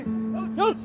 よし！